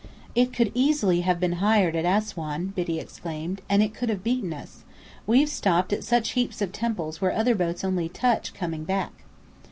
"It could easily have been hired at Assuan," Biddy exclaimed. "And it could have beaten us. We've stopped at such heaps of temples where other boats only touch coming back."